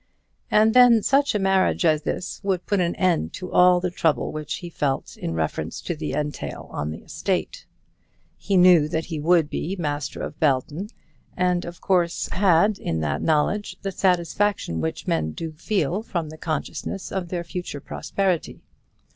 And then such a marriage as this would put an end to all the trouble which he felt in reference to the entail on the estate. He knew that he was to be master of Belton, and of course had, in that knowledge, the satisfaction which men do feel from the consciousness of their future prosperity.